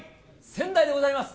仙台でございます！